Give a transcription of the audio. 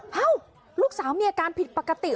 เอ้าลูกสาวมีอาการผิดปกติ